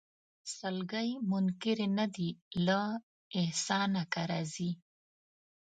سلګۍ منکري نه دي له احسانه که راځې